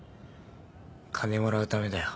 金もらうためだよ。